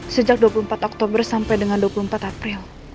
sejak dua puluh empat oktober sampai dengan dua puluh empat april